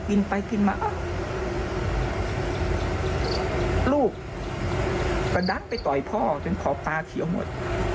กินไปกินมาลูกกระดัดไปต่อยพ่อจนขอบตาเขียวหมด